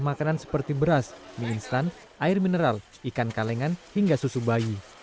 makanan seperti beras mie instan air mineral ikan kalengan hingga susu bayi